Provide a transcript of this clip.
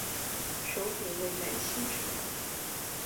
首府位在兴实达。